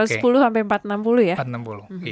empat ratus sepuluh sampai empat ratus enam puluh ya